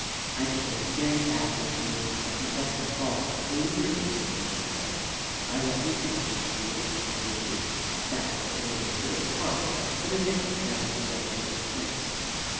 "I behaved very badly to you. I confess my fault. Will you forgive me?" she said. "I love you too much to be able to forgive you:" that was the word in the curate's heart, but a different found its way to his lips.